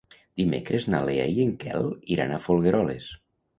Dimecres na Lea i en Quel iran a Folgueroles.